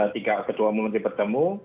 tiga kedua muat dipertemu